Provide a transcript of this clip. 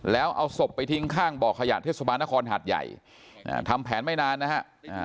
แล้วเอาศพไปทิ้งข้างบ่อขยะเทศบาลนครหัดใหญ่ทำแผนไม่นานนะฮะ